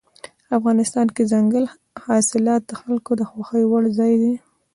افغانستان کې دځنګل حاصلات د خلکو د خوښې وړ ځای دی.